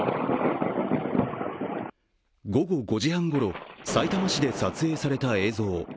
午後５時半ごろ、さいたま市で撮影された映像。